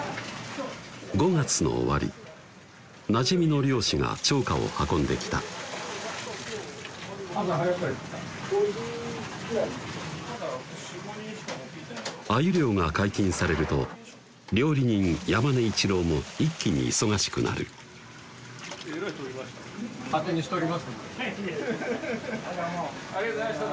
５月の終わりなじみの漁師が釣果を運んできた鮎漁が解禁されると料理人・山根一朗も一気に忙しくなるありがとうございました